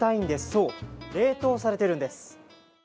そう、冷凍されてるんです。